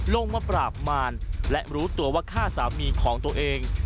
มาปราบมารและรู้ตัวว่าฆ่าสามีของตัวเอง